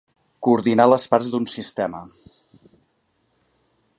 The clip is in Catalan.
Coordinar les parts d'un sistema.